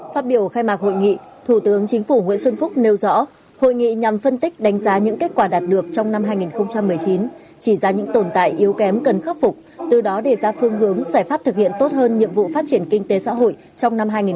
phát biểu khai mạc hội nghị thủ tướng chính phủ nguyễn xuân phúc nêu rõ hội nghị nhằm phân tích đánh giá những kết quả đạt được trong năm hai nghìn một mươi chín chỉ ra những tồn tại yếu kém cần khắc phục từ đó đề ra phương hướng giải pháp thực hiện tốt hơn nhiệm vụ phát triển kinh tế xã hội trong năm hai nghìn hai mươi